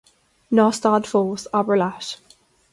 Ná stad fós, abair leat.